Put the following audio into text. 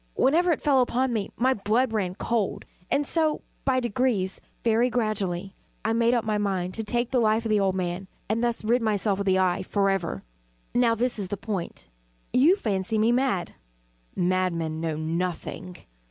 Whenever it fell upon me, my blood ran cold; and so by degrees very gradually I made up my mind to take the life of the old man, and thus rid myself of the eye forever. Now this is the point. You fancy me mad. Madmen know nothing.